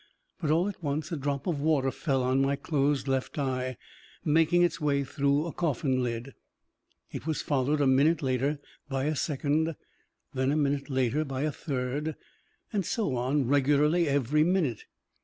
But all at once a drop of water fell on my closed left eye, making its way through a coffin lid; it was followed a minute later by a second, then a minute later by a third and so on, regularly every minute.